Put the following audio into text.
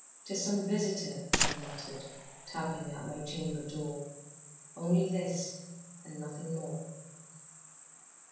"'Tis some visitor," I muttered, "tapping at my chamber door Only this, and nothing more."